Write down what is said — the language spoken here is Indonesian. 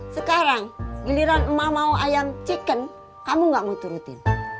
sekarang giliran emak mau ayam chicken kamu gak mau turutin